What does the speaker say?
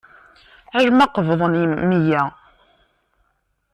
Alama qebḍeɣ meyya.